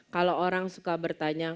kalau orang suka bertanya